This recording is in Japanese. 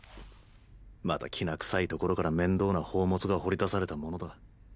またきな臭い所から面倒な宝物が掘り出されたものだ。